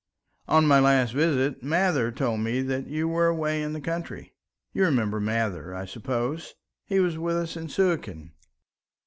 On my last visit Mather told me that you were away in the country. You remember Mather, I suppose? He was with us in Suakin."